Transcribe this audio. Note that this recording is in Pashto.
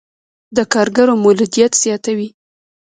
د کارګرو مولدیت زیاتوي.